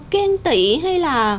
khen tị hay là